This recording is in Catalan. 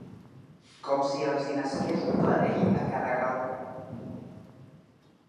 Com si els hi nasqués un clavell a cada galta.